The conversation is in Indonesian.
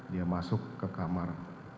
dia masuk ke kamar